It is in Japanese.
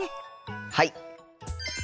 はい！